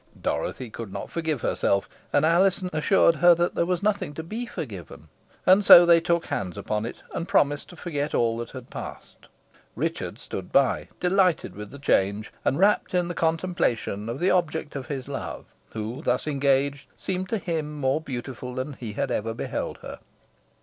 Dorothy could not forgive herself, and Alizon assured her there was nothing to be forgiven, and so they took hands upon it, and promised to forget all that had passed. Richard stood by, delighted with the change, and wrapped in the contemplation of the object of his love, who, thus engaged, seemed to him more beautiful than he had ever beheld her.